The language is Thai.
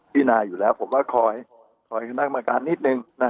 พี่นาอยู่แล้วผมว่าคอยคณะกรรมการนิดนึง